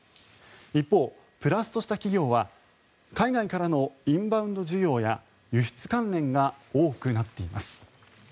一方、プラスとした企業は海外からのインバウンド需要や輸出関連が多くなっています。